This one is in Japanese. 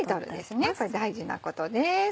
これ大事なことです。